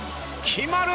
決まる！